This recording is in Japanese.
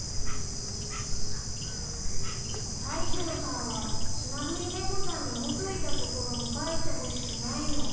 大将さんはスナドリネコさんに元いた所に帰ってほしくないの？